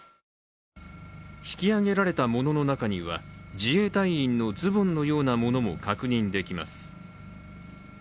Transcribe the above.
引き揚げられたものの中には、自衛隊員のズボンのようなものも確認できます。